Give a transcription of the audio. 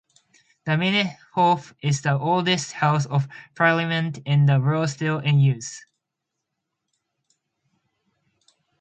The Binnenhof is the oldest House of Parliament in the world still in use.